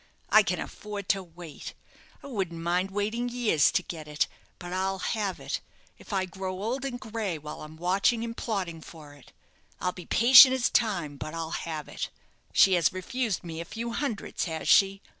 "I can afford to wait; I wouldn't mind waiting years to get it; but I'll have it, if I grow old and gray while I'm watching and plotting for it. I'll be patient as Time, but I'll have it. She has refused me a few hundreds, has she?